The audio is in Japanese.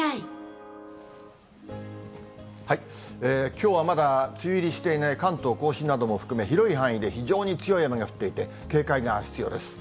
きょうはまだ梅雨入りしていない関東甲信なども含め、広い範囲で非常に強い雨が降っていて、警戒が必要です。